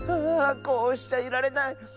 あこうしちゃいられない。